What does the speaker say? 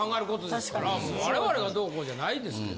・確かに・我々がどうこうじゃないですけど。